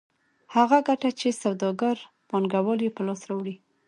هغه ګټه چې سوداګر پانګوال یې په لاس راوړي